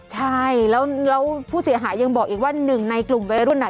ใช่แล้วผู้เสียหายยังบอกอีกว่าหนึ่งในกลุ่มวัยรุ่นน่ะ